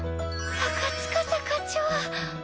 鷹司課長！